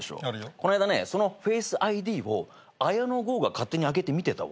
こないだねそのＦａｃｅＩＤを綾野剛が勝手に開けて見てたわ。